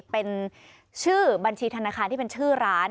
เป็นชื่อบัญชีธนาคารที่เป็นชื่อร้าน